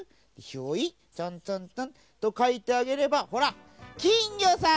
ヒョイチョンチョンチョンとかいてあげればほらきんぎょさん！